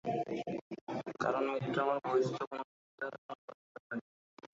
কারণ মৃত্যু আমার বহিঃস্থ কোন কিছুর দ্বারা সম্পাদিত হয়।